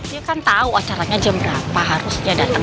dia kan tahu acaranya jam berapa harusnya datang